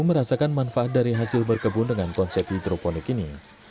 merasakan manfaat dari hasil berkebun dengan konsep hidroponik ini